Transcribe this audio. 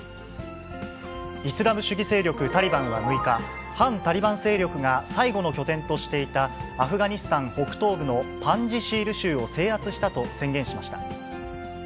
イスラム主義勢力タリバンは６日、反タリバン勢力が最後の拠点としていた、アフガニスタン北東部のパンジシール州を制圧したと宣言しました。